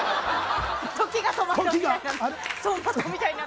時が止まったみたいな。